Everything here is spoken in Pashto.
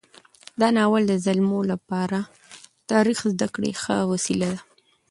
دا ناول د زلمیو لپاره د تاریخ زده کړې ښه وسیله ده.